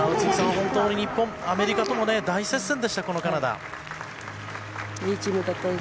本当に日本、アメリカとも大接戦でした、カナダ。